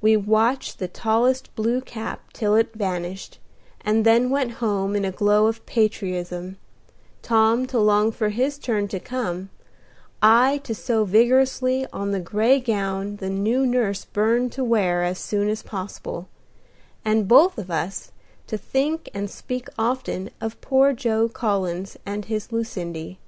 We watched the tallest blue cap till it vanished, and then went home in a glow of patriotism, Tom to long for his turn to come, I to sew vigorously on the gray gown the new nurse burned to wear as soon as possible, and both of us to think and speak often of poor Joe Collins and his Lucindy.